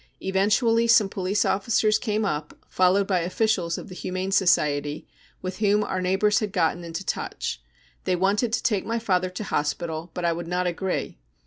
Eventually some police officers came up, followed by officials of the Humane Society, with whom our neighbours had got into touch. They wanted to take my father to hospital, but I would not agree.